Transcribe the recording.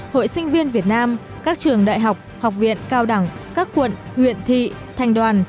hội sinh viên việt nam các trường đại học học viện cao đẳng các quận huyện thị thành đoàn